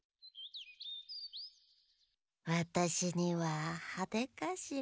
わたしにははでかしら。